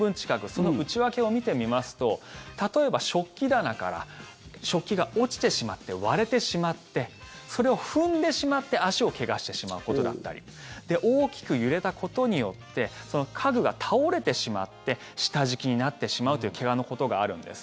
その内訳を見てみますと例えば食器棚から食器が落ちてしまって割れてしまってそれを踏んでしまって足を怪我してしまうことだったり大きく揺れたことによって家具が倒れてしまって下敷きになってしまうという怪我のことがあるんです。